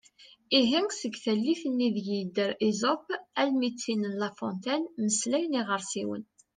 Ihi seg tallit-nni ideg yedder Esope armi d tin n La Fontaine “mmeslayen iɣersiwen”.